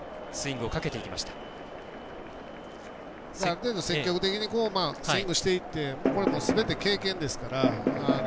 ある程度、積極的にスイングしていってすべて経験ですから。